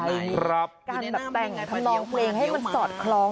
การแบบแต่งทำลองเพลงให้มันสอดคล้อง